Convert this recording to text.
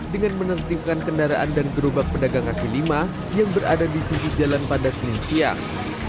dengan menertibkan kendaraan dan gerobak pedagang kaki lima yang berada di sisi jalan pada senin siang